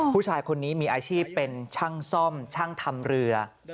ผู้ชายคนนี้มีอาชีพเป็นช่างซ่อมช่างทำเรือ